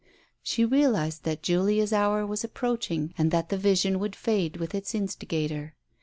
She realized that Julia's hour was approaching and that the vision would fade with its instigator.